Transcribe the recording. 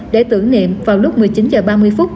để tưởng niệm vào lúc một mươi chín h ba mươi phút